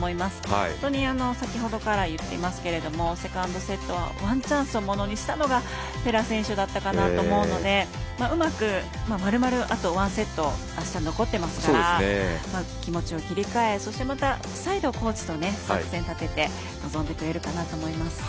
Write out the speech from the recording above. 本当に先ほどから言っていますけどセカンドセットはワンチャンスをものにしたのがペラ選手だったかなと思うので、うまくまるまるあと１セットあした残っていますから気持ちを切り替えそして、また再度コーチと作戦立てて臨んでくれるかなと思います。